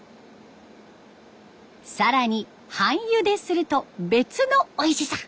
更に半ゆですると別のおいしさ！